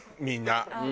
みんな。